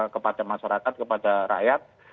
kepada masyarakat kepada rakyat